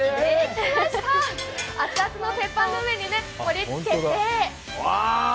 熱々の鉄板の上に盛り付けて。